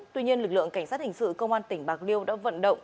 tuy nhiên lực lượng cảnh sát hình sự công an tỉnh bạc liêu đã vận động